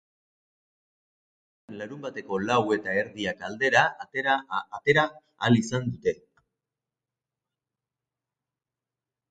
Azkenean, larunbateko lau eta erdiak aldera atera ahal izan dute.